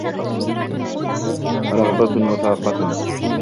رَغْبَةٌ وَفَاقَةٌ